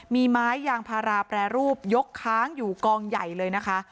มีไม้ยางพาราแปรรูปยกค้างอยู่กองใหญ่เลยนะคะ